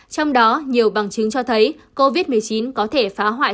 trong đó nhiều bằng chứng cho thấy covid một mươi chín có thể phá hoại